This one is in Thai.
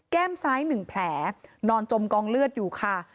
ซ้าย๑แผลนอนจมกองเลือดอยู่ค่ะ